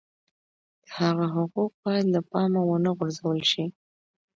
د هغه حقوق باید له پامه ونه غورځول شي.